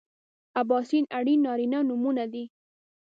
اباسین ارین نارینه نومونه دي